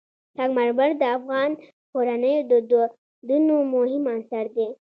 سنگ مرمر د افغان کورنیو د دودونو مهم عنصر دی.